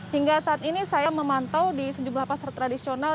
hingga saat ini saya memantau di sejumlah pasar tradisional